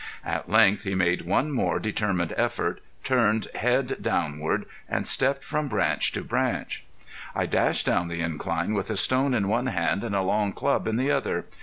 At length he made one more determined effort, turned head downward, and stepped from branch to branch. I dashed down the incline with a stone in one hand and a long club in the other.